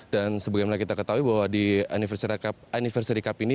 dan sebagainya kita ketahui bahwa di anniversary cup ini